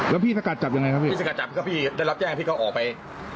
แล้วพี่สกัดจับยังไงครับพี่สกัดจับครับพี่ได้รับแจ้งพี่ก็ออกไป